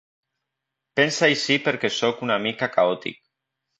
Pensa així perquè sóc una mica caòtic.